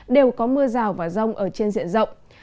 đều có mưa rào và rông ở trên diện rộng